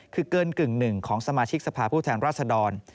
คือเกินกึ่งหนึ่งของสมาชิกสภาพผู้แทนราชดร